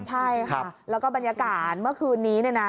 ใช่ค่ะแล้วก็บรรยากาศเมื่อคืนนี้เนี่ยนะ